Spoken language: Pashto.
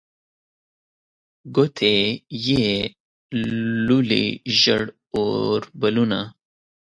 ګوتې یې لولي ژړ اوربلونه